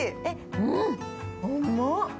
うまっ。